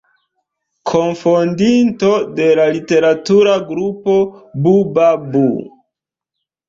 Kunfondinto de literatura grupo Bu-Ba-Bu.